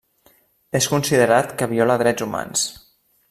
És considerat que viola drets humans.